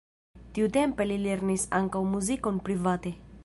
Tiutempe li lernis ankaŭ muzikon private.